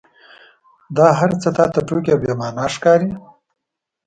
دا هرڅه تا ته ټوکې او بې معنا ښکاري.